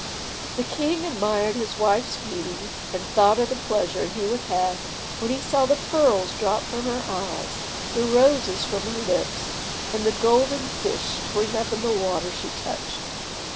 The king admired his wife's beauty, and thought of the pleasure he would have when he saw the pearls drop from her eyes, the roses from her lips, and the golden fish spring up in the water she touched.